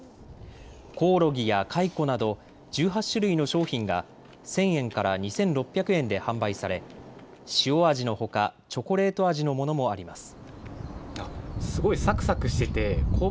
コオロギやカイコなど１８種類の商品が１０００円から２６００円で販売され塩味のほかチョコレート味のものもあります。